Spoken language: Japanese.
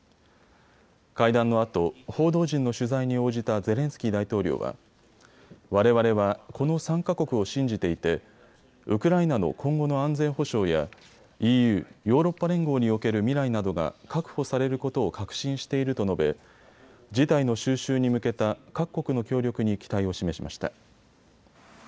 会談のあと報道陣の取材に応じたゼレンスキー大統領はわれわれはこの３か国を信じていてウクライナの今後の安全保障やＥＵ・ヨーロッパ連合における未来などが確保されることを確信していると述べ事態の収拾に向けた各国の協力に期待を示しました。